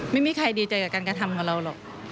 ไม่มีใครดีใจกับการกระทำของเราหรอก